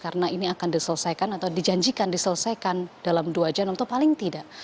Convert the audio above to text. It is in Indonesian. karena ini akan diselesaikan atau dijanjikan diselesaikan dalam dua jam atau paling tidak